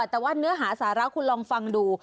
แต่ว่าเนื้อหาสาระคุณลองฟังดู